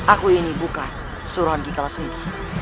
aku ini bukan suruhan kikalas renggi